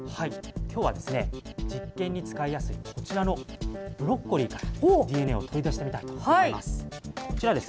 きょうはですね、実験に使いやすい、こちらのブロッコリーからＤＮＡを取り出してみたいと思います。